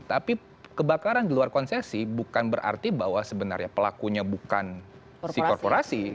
tapi kebakaran di luar konsesi bukan berarti bahwa sebenarnya pelakunya bukan si korporasi